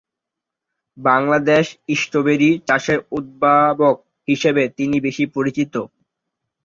বাংলাদেশে স্ট্রবেরি চাষের উদ্ভাবক হিসেবে তিনি বেশি পরিচিত।